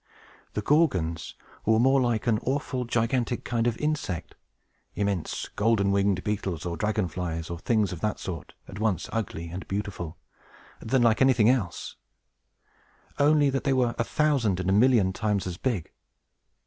The Gorgons were more like an awful, gigantic kind of insect, immense, golden winged beetles, or dragon flies, or things of that sort, at once ugly and beautiful, than like anything else; only that they were a thousand and a million times as big.